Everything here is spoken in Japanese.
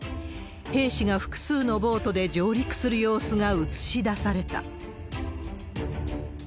兵士が複数のボートで上陸する様子が映し出された。